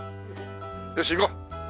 よし行こう！